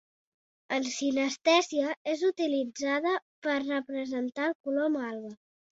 En sinestèsia és utilitzada per representar el color malva.